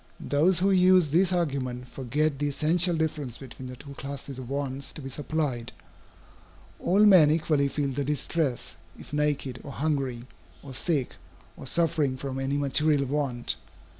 Those who use this argument forget the essential difference between the two classes of wants to be supplied. All men equally feel the distress, if naked, or hungry, or sick, or suffering from any material want.